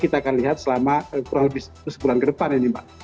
kita akan lihat selama kurang lebih sebulan ke depan ini mbak